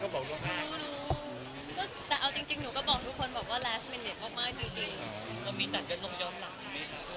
โดยส่วนตัวราวที่คุณยึงย้ำว่าความสัมภัณฑ์เรายังไม่ได้ปอบบารด์